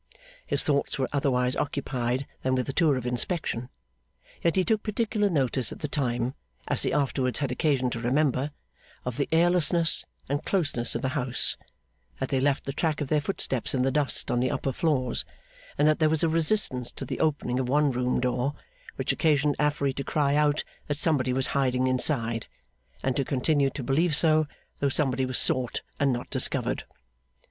His thoughts were otherwise occupied than with the tour of inspection; yet he took particular notice at the time, as he afterwards had occasion to remember, of the airlessness and closeness of the house; that they left the track of their footsteps in the dust on the upper floors; and that there was a resistance to the opening of one room door, which occasioned Affery to cry out that somebody was hiding inside, and to continue to believe so, though somebody was sought and not discovered.